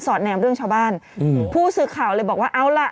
แนมเรื่องชาวบ้านอืมผู้สื่อข่าวเลยบอกว่าเอาล่ะ